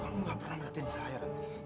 kamu gak pernah merhatiin saya ranti